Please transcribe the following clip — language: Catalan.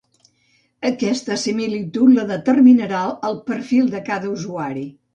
Aquesta similitud la determinarà el perfil de cada usuari.